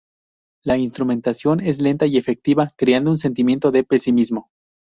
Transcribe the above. La instrumentación es lenta y efectiva, creando un sentimiento de pesimismo.